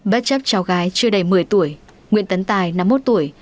bất chấp cháu gái chưa đầy một mươi tuổi nguyễn tấn tài năm mươi một tuổi